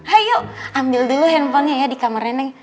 ayo ambil dulu handphonenya ya di kamar rene